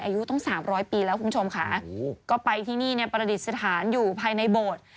อายุต้อง๓๐๐ปีแล้วคุณชมค่ะก็ไปที่นี่ประดิษฐานอยู่ภายในโบสถ์